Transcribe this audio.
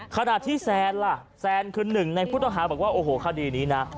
ขนาดที่แซนล่ะแซนคือ๑ในพูดต่อหาแบบว่าโอ้โหคดีนี้นะ